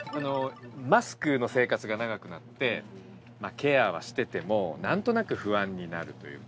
マスクの生活が長くなってケアはしてても何となく不安になるというか。